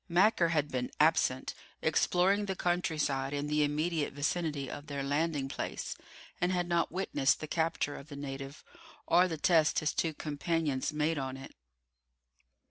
Macker had been absent, exploring the countryside in the immediate vicinity of their landing place, and had not witnessed the capture of the native, or the tests his two companions made on it.